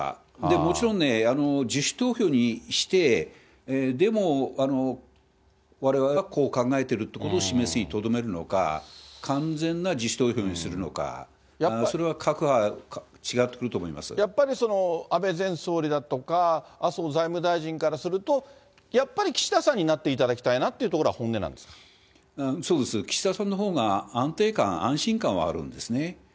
もちろんね、自主投票にして、でもわれわれは、こう考えてるということを示すにとどめるのか、完全な自主投票にするのか、それは各派、やっぱり安倍前総理だとか、麻生財務大臣からすると、やっぱり岸田さんになっていただきたいなというのは本音なんですそうです、岸田さんのほうが安定感、安心感はあるんですね。